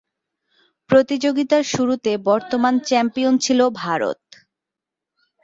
প্রতিযোগিতার শুরুতে বর্তমান চ্যাম্পিয়ন ছিল ভারত।